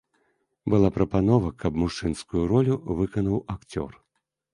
Была прапанова, каб мужчынскую ролю выканаў акцёр.